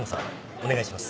お願いします。